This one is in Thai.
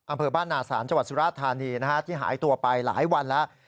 อำเภอบ้านนาศาลจังหวัดสุราธานีที่หายตัวไปหลายวันแล้ว